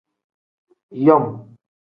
Yom.